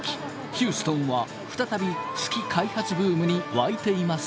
ヒューストンは再び月開発ブームに沸いています。